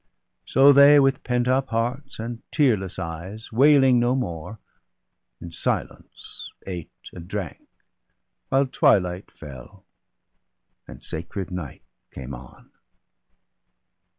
So they, with pent up hearts and tearless eyes, Wailing no more, in silence ate and drank, While twilight fell, and sacred night came on.